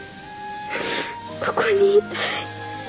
ここにいたい。